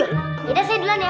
ya saya duluan ya